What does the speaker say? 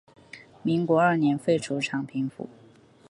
民国二年废除广平府。